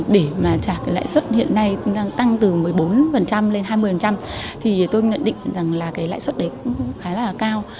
để mà trả lãi suất hiện nay tăng từ một mươi bốn lên hai mươi thì tôi nhận định là lãi suất đấy khá là cao